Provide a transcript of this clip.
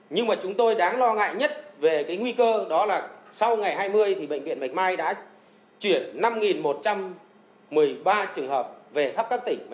nhưng mà chúng tôi đáng lo ngại nhất về cái nguy cơ đó là sau ngày hai mươi thì bệnh viện bạch mai đã chuyển năm một trăm một mươi ba trường hợp về khắp các tỉnh